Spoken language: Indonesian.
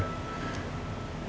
kalau gitu saya permisi